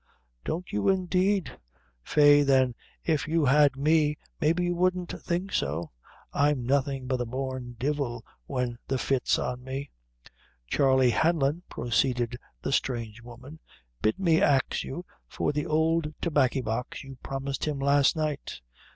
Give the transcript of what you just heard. don't you, indeed? Faix, then, if you had me, maybe you wouldn't think so I'm nothin' but a born divil when the fit's on me." "Charley Hanlon," proceeded the strange woman, "bid me ax you for the ould tobaccy box you promised him last night."